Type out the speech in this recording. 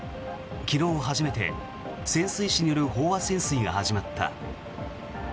昨日、初めて潜水士による飽和潜水が始まった。